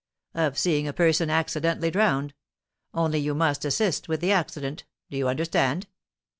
'Of seeing a person accidentally drowned. Only you must assist with the accident. Do you understand?'